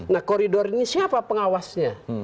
nah koridor ini siapa pengawasnya